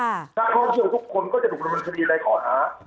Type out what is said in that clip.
ถ้าเข้าเชื่อทุกคนก็จะถูกบริเวณคดีในขอหา